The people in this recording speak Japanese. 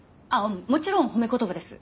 もちろん褒め言葉です。